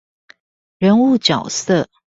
人物角色